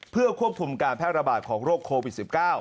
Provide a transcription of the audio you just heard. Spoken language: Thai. เพื่อควบคุมการแพร่ระบาดของโรคโควิด๑๙